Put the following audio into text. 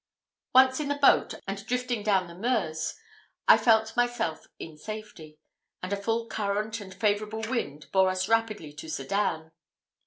Once in the boat, and drifting down the Meuse, I felt myself in safety; and a full current and favourable wind bore us rapidly to Sedan.